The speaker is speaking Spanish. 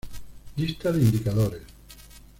Lista de indicadores